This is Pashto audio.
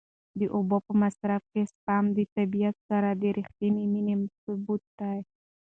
د اوبو په مصرف کې سپما د طبیعت سره د رښتینې مینې ثبوت دی.